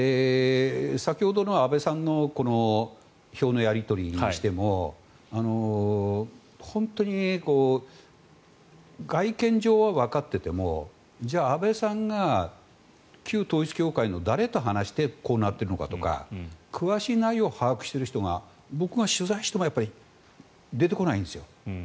先ほどの安倍さんの票のやり取りにしても本当に外見上はわかっていてもじゃあ、安倍さんが旧統一教会の誰と話してこうなっているのかとか詳しい内容を把握している人が僕が取材しても出てこないんですよ。